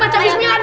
baca bismillah dulu